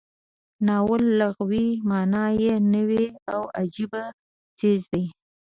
ناول لغوي معنا یې نوی او عجیبه څیز دی.